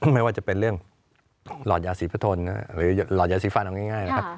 ไม่ว่าจะเป็นเรื่องหลอดยาศีฟาน